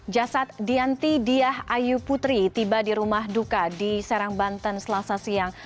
jasad dianti diah ayu putri tiba di rumah duka di serang banten selasa siang